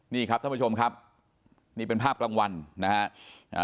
นี่ครับท่านผู้ชมครับนี่เป็นภาพกลางวันนะฮะ